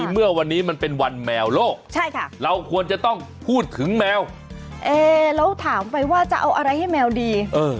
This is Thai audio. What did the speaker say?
เมื่อวันนี้มันเป็นวันแมวโลกเราควรจะต้องพูดถึงแมวแล้วถามไปว่าจะเอาอะไรให้แมวดี